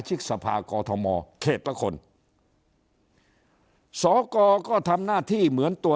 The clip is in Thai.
ชิกสภากธโโมเขตละคนสขก็ทำน่าที่เหมือนตัว